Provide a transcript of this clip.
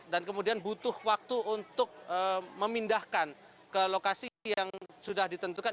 dan kemudian butuh waktu untuk memindahkan ke lokasi yang sudah ditentukan